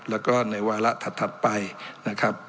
แล้วก็ในวาระถัดไปนะครับ